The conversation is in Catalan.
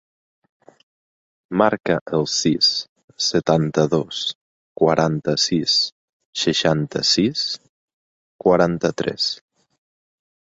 Marca el sis, setanta-dos, quaranta-sis, seixanta-sis, quaranta-tres.